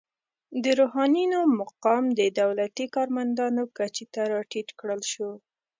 د روحانینو مقام د دولتي کارمندانو کچې ته راټیټ کړل شو.